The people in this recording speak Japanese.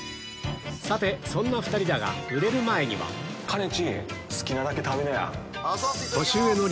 さてそんな２人だが売れる前にはかねち好きなだけ食べなよ。